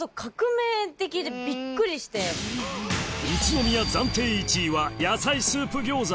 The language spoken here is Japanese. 宇都宮暫定１位は野菜スープ餃子